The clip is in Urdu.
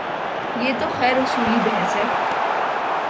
یہ تو خیر اصولی بحث ہے۔